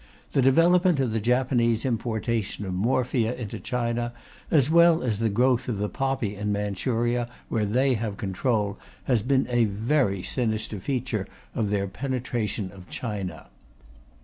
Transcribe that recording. The development of the Japanese importation of morphia into China, as well as the growth of the poppy in Manchuria, where they have control, has been a very sinister feature of their penetration of China.